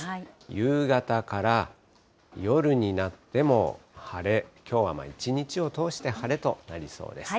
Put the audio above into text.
夕方から夜になっても晴れ、きょうは一日を通して晴れとなりそうです。